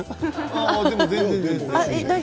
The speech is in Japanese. でも全然、全然。